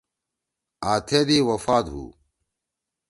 آں تھید ئی وفات ہُو۔